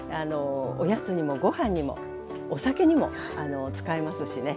おやつにもご飯にもお酒にも使えますしね。